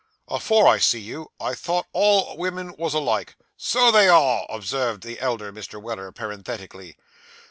'"Afore I see you, I thought all women was alike."' 'So they are,' observed the elder Mr. Weller parenthetically.